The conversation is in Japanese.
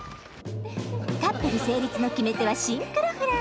カップル成立の決め手は「シンクロ」フラ。